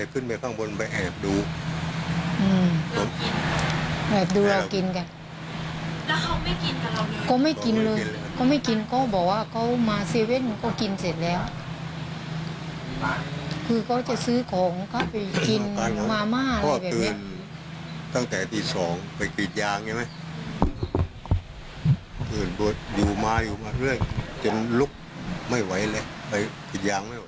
คือเขาจะซื้อของเขาก็ไปกินมาม่าอะไรแบบนี้